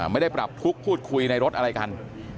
ไม่ได้ปรับทุกข์พูดคุยในรถอะไรกัน